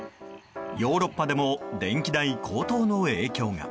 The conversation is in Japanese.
ヨーロッパでも電気代高騰の影響が。